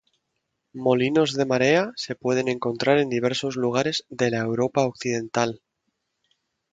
Molinos de marea se pueden encontrar en diversos lugares de la Europa Occidental.